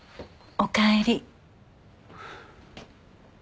おかえり。